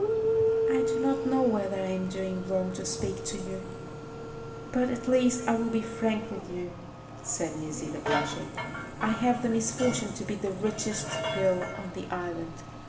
"I do not know whether I am doing wrong to speak to you, but at least I will be frank with you," said Nisida, blushing; "I have the misfortune to be the richest girl on the island."